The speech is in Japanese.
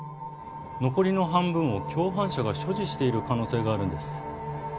残りの半分を共犯者が所持している可能性があるんです。